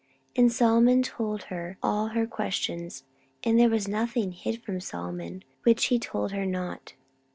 14:009:002 And Solomon told her all her questions: and there was nothing hid from Solomon which he told her not.